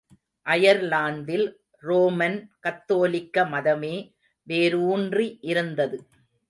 அயர்லாந்தில் Roman கத்தோலிக்க மதமே வேரூன்றி இருந்தது.